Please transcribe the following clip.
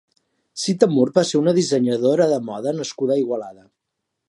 Sita Murt va ser una dissenyadora de moda nascuda a Igualada.